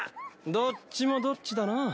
どっちもどっちだな。